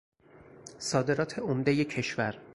صادرات عمدهی کشور